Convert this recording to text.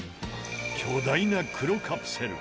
巨大な黒カプセル。